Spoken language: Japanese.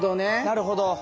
なるほど！